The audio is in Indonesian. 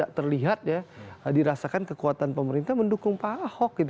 karena terlihat ya dirasakan kekuatan pemerintah mendukung pak ahok